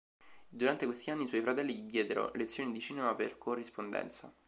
Durante questi anni i suoi fratelli gli diedero lezioni di cinema per corrispondenza.